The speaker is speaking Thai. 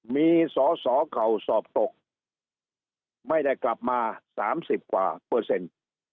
มีสอเขาสอบตกไม่ได้กลับมา๓๐เปอร์เซ็นต์